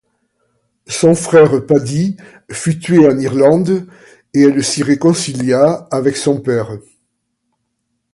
Son frère Paddy fut tué en Irlande, et elle s'y réconcilia avec son père.